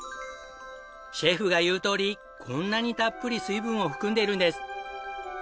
シェフが言うとおりこんなにたっぷり水分を含んでいるんです。